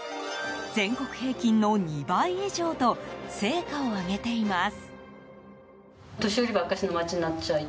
全国平均の２倍以上と成果を上げています。